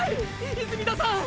泉田さん！！